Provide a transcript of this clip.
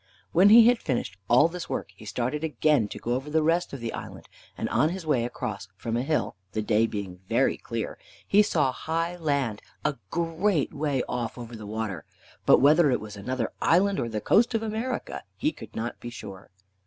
When he had finished all this work, he started again to go over the rest of the island, and on his way across, from a hill, the day being very clear, he saw high land a great way off over the water, but whether it was another island, or the coast of America, he could not be sure.